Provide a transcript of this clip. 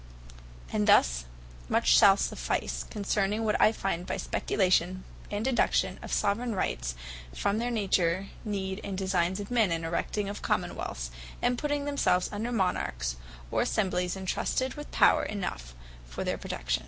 And thus much shall suffice; concerning what I find by speculation, and deduction, of Soveraign Rights, from the nature, need, and designes of men, in erecting of Commonwealths, and putting themselves under Monarchs, or Assemblies, entrusted with power enough for their protection.